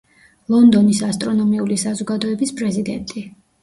ლონდონის ასტრონომიული საზოგადოების პრეზიდენტი.